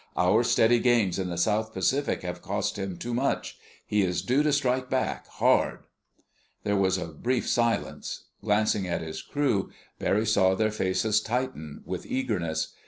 Our steady gains in the South Pacific have cost him too much. He is due to strike back, hard." There was a brief silence. Glancing at his crew, Barry saw their faces tighten with eagerness.